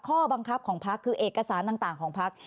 ข้อบังคับของพักคือเอกสารต่างของพัก